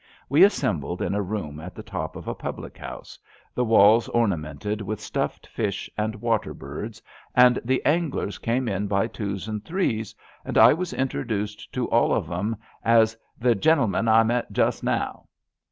We as sembled in a room at the top of a public house, the walls ornamented with stuffed fiish and water birds, and the anglers came in by twos and threes, and I was introduced to all of 'em as the gentle man I met just now.'